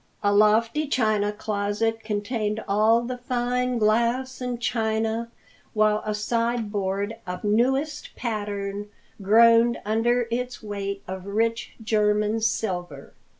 A lofty china closet contained all the fine glass and china, while a sideboard of newest pattern groaned under its weight of rich German silver.